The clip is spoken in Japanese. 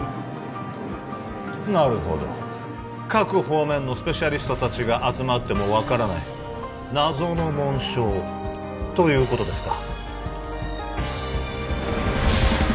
なるほど各方面のスペシャリストたちが集まっても分からない謎の紋章ということですか